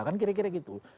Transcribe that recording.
kan kira kira gitu